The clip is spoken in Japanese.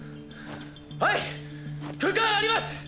はい空間あります！